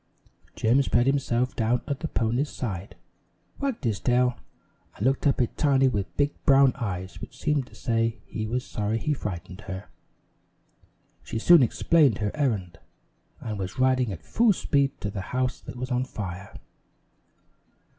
Jim spread himself down at the pony's side, wagged his tail, and looked up at Tiny with big brown eyes which seemed to say he was sorry he frightened her. She soon explained her errand and was riding at full speed to the house that was on fire.